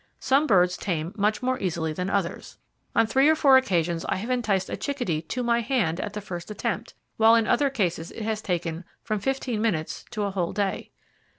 Some birds tame much more easily than others. On three or four occasions I have enticed a chickadee to my hand at the first attempt, while in other cases it has taken from fifteen minutes to a whole day.